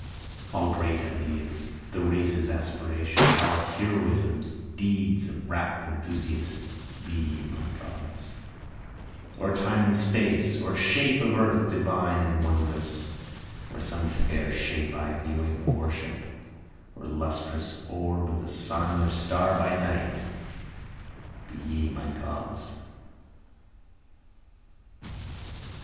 All great ideas, the races' aspirations, All heroisms, deeds of rapt enthusiasts, Be ye my Gods. Or Time and Space, Or shape of Earth divine and wondrous, Or some fair shape I viewing, worship, Or lustrous orb of sun or star by night, Be ye my Gods.